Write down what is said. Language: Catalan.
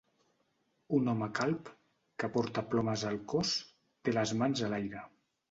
Un home calb, que porta plomes al cos, té les mans a l'aire.